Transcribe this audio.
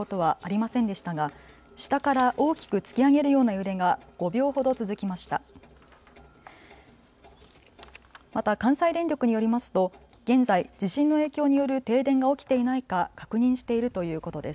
また関西電力によりますと現在、地震の影響による停電が起きていないか確認しているということです。